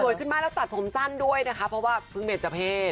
ขึ้นมากแล้วตัดผมสั้นด้วยนะคะเพราะว่าเพิ่งเป็นเจ้าเพศ